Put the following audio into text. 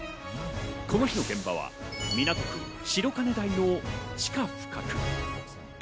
この日の現場は港区白金台の地下深く。